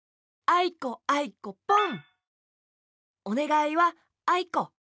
あいこあいこポン！